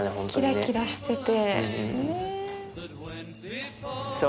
キラキラしてて。